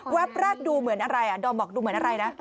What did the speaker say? แป๊บแรกดูเหมือนอะไรอ่ะดอมบอกดูเหมือนอะไรนะ